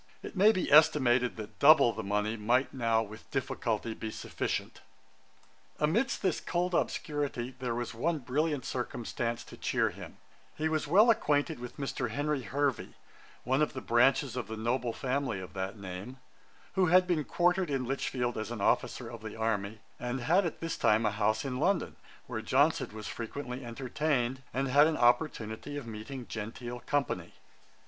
It maybe estimated that double the money might now with difficulty be sufficient. Amidst this cold obscurity, there was one brilliant circumstance to cheer him; he was well acquainted with Mr. Henry Hervey, one of the branches of the noble family of that name, who had been quartered at Lichfield as an officer of the army, and had at this time a house in London, where Johnson was frequently entertained, and had an opportunity of meeting genteel company.